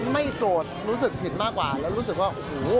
ไม่โกรธรู้สึกผิดมากกว่าแล้วรู้สึกว่าโอ้โห